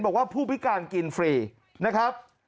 บอกว่าผู้พิการกินฟรีนะครับ